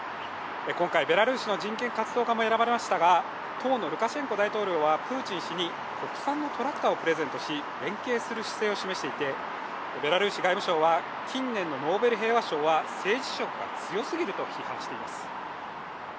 今回、ベラルーシの人権活動家も選ばれましたが、当のルカシェンコ大統領はプーチン氏に国産のトラッカーをプレゼントし連携する姿勢を示していてベラルーシ外務省は近年のノーベル平和賞は政治色が強すぎると批判しています。